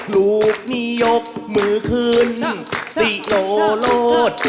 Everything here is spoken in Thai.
ลูกนี้ยกมือขึ้นสิโลโลด